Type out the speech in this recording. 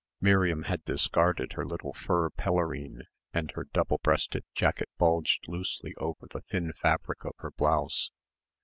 Miriam had discarded her little fur pelerine and her double breasted jacket bulged loosely over the thin fabric of her blouse.